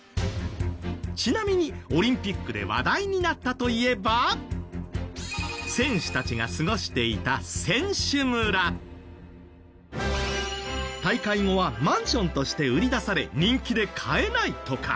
ちなみにオリンピックで話題になったといえば選手たちが過ごしていた大会後はマンションとして売り出され人気で買えないとか。